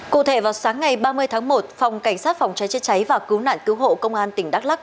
cụ thể vào sáng ngày ba mươi tháng một phòng cảnh sát phòng cháy chữa cháy và cứu nạn cứu hộ công an tỉnh đắk lắc